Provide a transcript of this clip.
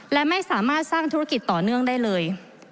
และไม่สามารถสร้างธุรกิจต่อเนื่องได้เลย